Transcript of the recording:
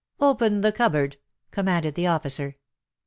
"Open the cupboard," commanded the officer.